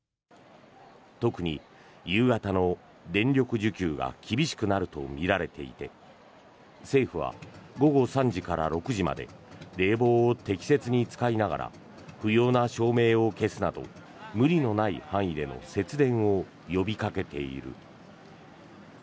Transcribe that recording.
特に夕方の電力需給が厳しくなるとみられていて政府は午後３時から６時まで冷房を適切に使いながら不要な照明を消すなど無理のない範囲での節電を呼びかけている。